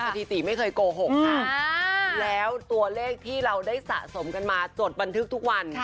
สถิติไม่เคยโกหกค่ะแล้วตัวเลขที่เราได้สะสมกันมาจดบันทึกทุกวัน